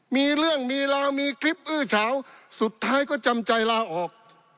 มีเรื่องมีราวมีคลิปอื้อเฉาสุดท้ายก็จำใจลาออก